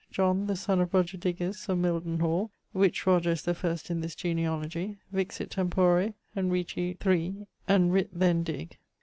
John, the sonne of Roger Digges of Mildenhall (which Roger is the first in this genealogie), vixit tempore Henrici III; and writt then Dig.